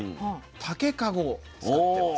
竹籠を使ってます。